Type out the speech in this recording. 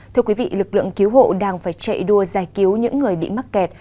thưa quý vị lực lượng cứu hộ đang phải chạy đua giải cứu những người bị mắc kẹt